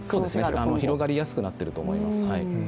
広がりやすくなっていると思います。